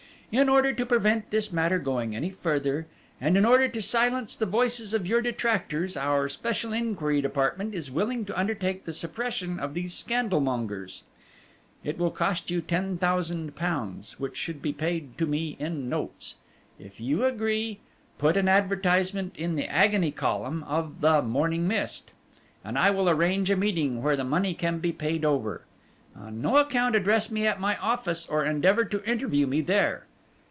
"In order to prevent this matter going any further, and in order to silence the voices of your detractors, our special inquiry department is willing to undertake the suppression of these scandal mongers. It will cost you £10,000, which should be paid to me in notes. If you agree, put an advertisement in the agony column of the Morning Mist, and I will arrange a meeting where the money can be paid over. On no account address me at my office or endeavour to interview me there.